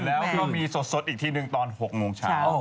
แล้วก็มีสดอีกทีหนึ่งตอน๖โมงเช้า